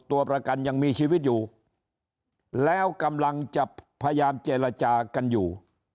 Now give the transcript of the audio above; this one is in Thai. ตัวประกันยังมีชีวิตอยู่แล้วกำลังจะพยายามเจรจากันอยู่